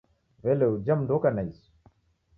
W'ele uja mundu oka na isu?